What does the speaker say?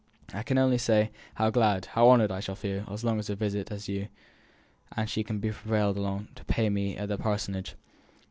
I can only say how glad, how honoured, I shall feel by as long a visit as you and she can be prevailed upon to pay me at the Parsonage."